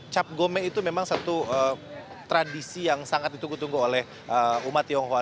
cap gome itu memang satu tradisi yang sangat ditunggu tunggu oleh umat tionghoa